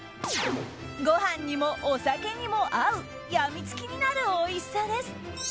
ご飯にもお酒にも合うやみつきになるおいしさです。